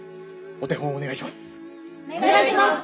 お手本をお願いします。